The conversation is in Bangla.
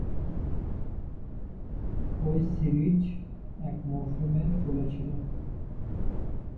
ওই সিরিজ এক মৌসুমের চলেছিল।